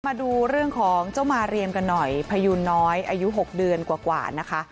มาดูเรื่องของเจ้ามาเรียมกันหน่อยพยูนน้อยอายุ๖เดือนกว่านะคะ